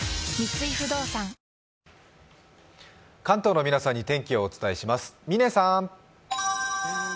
関東の皆さんに天気をお伝えします。